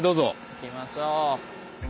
行きましょう。